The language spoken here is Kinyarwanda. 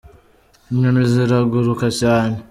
Inyoni ziraguruka cyane.